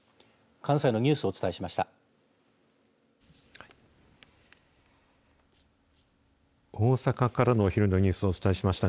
関西のニュースをお伝えしました。